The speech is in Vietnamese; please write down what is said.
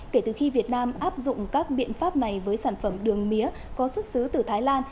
kể từ khi việt nam áp dụng các biện pháp này với sản phẩm đường mía có xuất xứ từ thái lan